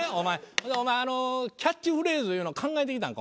それでお前あのキャッチフレーズいうの考えてきたんか？